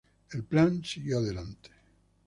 El plan siguió adelante.